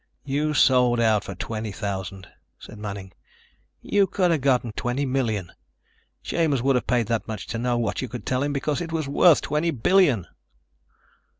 "You sold out for twenty thousand," said Manning. "You could have gotten twenty million. Chambers would have paid that much to know what you could tell him, because it was worth twenty billion."